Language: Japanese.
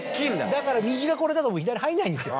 だから右がこれだと左入んないんですよ。